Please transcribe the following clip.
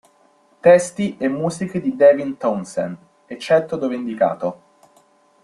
Testi e musiche di Devin Townsend, eccetto dove indicato.